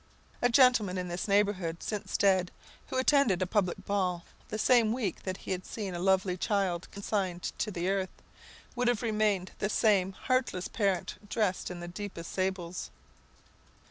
A gentleman in this neighbourhood, since dead, who attended a public ball the same week that he had seen a lovely child consigned to the earth, would have remained the same heartless parent dressed in the deepest sables.